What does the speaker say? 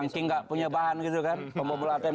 saking gak punya bahan gitu kan pembobol atm